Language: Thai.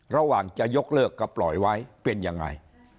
ระหว่างจะยกเลิกกับปล่อยไว้เป็นยังไง